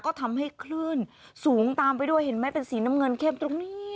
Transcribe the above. ก็ทำให้คลื่นสูงตามไปด้วยเห็นไหมเป็นสีน้ำเงินเข้มตรงนี้